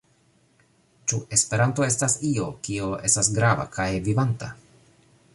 Ĉu Esperanto estas io, kio estas grava kaj vivanta?